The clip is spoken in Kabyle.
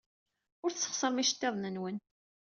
Ur tesxeṣrem iceḍḍiḍen-nwen.